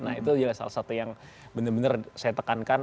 nah itu juga salah satu yang benar benar saya tekankan